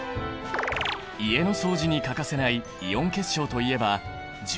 家の掃除に欠かせないイオン結晶といえば重曹。